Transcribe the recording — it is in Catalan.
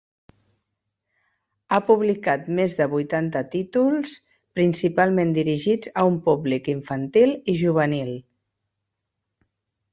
Ha publicat més de vuitanta títols, principalment dirigits a un públic infantil i juvenil.